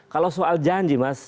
kalau soal janji mas